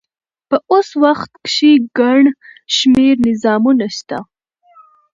په اوس وخت کښي ګڼ شمېر نظامونه سته.